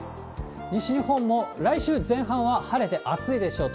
西日本も来週前半は晴れて暑いでしょう。